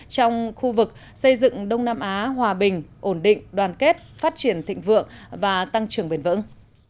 trong khu vực xây dựng đông nam á hòa bình ổn định đoàn kết phát triển thịnh vượng và tăng trưởng bền vững